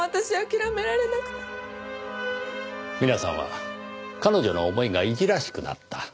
皆さんは彼女の思いがいじらしくなった。